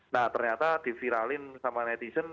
nah ternyata diviralin sama netizen